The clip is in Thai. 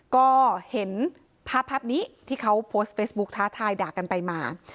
ก็เห็นภาพภาพนี้ที่เขาโพสต์เฟซบุ๊กท้าทายด่ากันไปมา